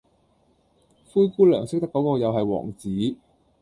灰姑娘識得果個又系王子